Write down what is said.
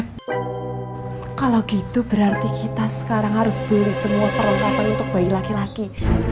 kalau gitu berarti kita sekarang harus beli semua perlengkapan untuk bayi laki laki